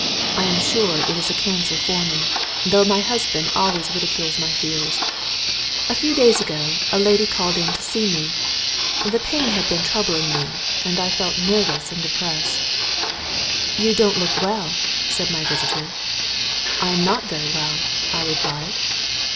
I am sure it is a cancer forming, though my husband always ridicules my fears. A few days ago a lady called in to see me. The pain had been troubling me, and I felt nervous and depressed. "You don't look well," said my visitor. "I am not very well," I replied.